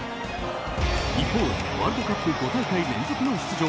一方、ワールドカップ５大会連続の出場